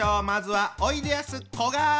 まずはおいでやすこが！